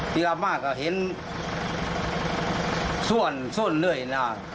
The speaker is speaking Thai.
พี่ราบมากก็เห็นส้วนส้วนเลยนะครับ